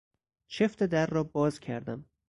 چفت در را باز کردم.